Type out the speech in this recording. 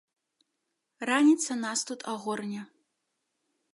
Раніца нас тут агорне.